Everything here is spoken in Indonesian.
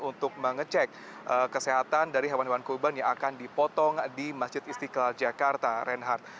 untuk mengecek kesehatan dari hewan hewan kurban yang akan dipotong di masjid istiqlal jakarta reinhardt